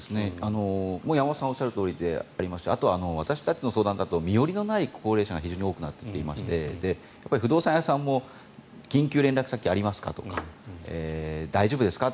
山本さんがおっしゃるとおりであと、私たちの相談だと身寄りのない高齢者が非常に多くなってきていまして不動産屋さんも緊急連絡先ありますか？とか大丈夫ですか？